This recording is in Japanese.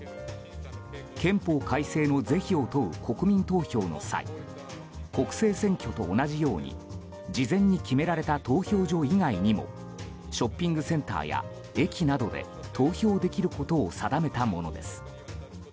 憲法改正の是非を問う国民投票の際国政選挙と同じように事前に決められた投票所以外にもショッピングセンターや駅などで投票できることを定めたものです。